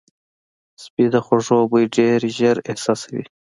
سپي د خوړو بوی ډېر ژر احساسوي.